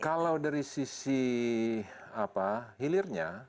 kalau dari sisi hilirnya